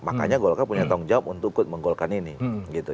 makanya golkar punya tanggung jawab untuk menggolkannya gitu